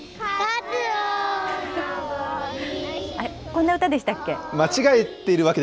こんな歌でしたっけ？